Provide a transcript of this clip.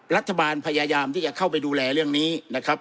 รัฐบาลพยายามที่จะเข้าไปดูแลเรื่องนี้นะครับ